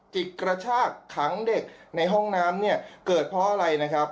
จิกกระชากขังเด็กในห้องน้ำเนี่ยเกิดเพราะอะไรนะครับ